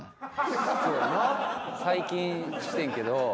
最近してんけど。